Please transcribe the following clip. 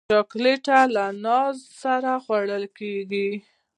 چاکلېټ له ناز سره خورېږي.